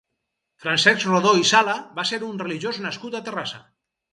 Francesc Rodó i Sala va ser un religiós nascut a Terrassa.